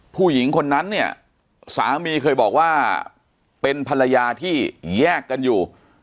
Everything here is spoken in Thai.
ผู้หญิงคนนั้นเนี่ยสามีเคยบอกว่าเป็นภรรยาที่แยกกันอยู่